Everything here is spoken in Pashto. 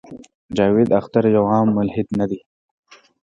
جاوېد اختر يو عام ملحد نۀ دے